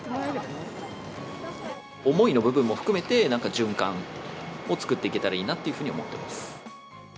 思いの部分も含めて、循環を作っていけたらいいなっていうふうに思ってます。